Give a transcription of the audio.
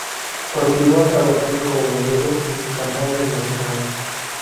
Continúa trabajando como modelo en campañas nacionales.